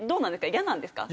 イヤなんですか？